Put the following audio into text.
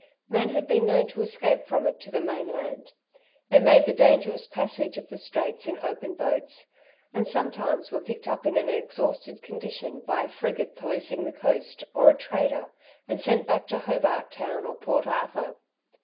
Men had been known to escape from it to the mainland. They made the dangerous passage of the Straits in open boats, and sometimes were picked up in an exhausted condition by a frigate policing the coast, or a trader, and sent back to Hobart Town or Port Arthur.